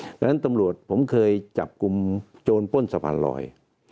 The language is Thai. เพราะฉะนั้นตำรวจผมเคยจับกลุ่มโจรป้นสะพานลอย